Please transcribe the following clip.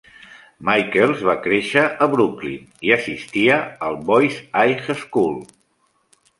Michaels va créixer a Brooklyn i assistia al Boys High School.